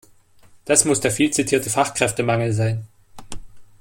Das muss der viel zitierte Fachkräftemangel sein.